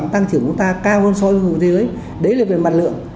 đấy là về mặt lượng